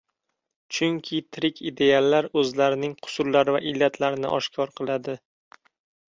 chunki tirik ideallar o‘zlarining qusurlari va illatlarini oshkor qiladi.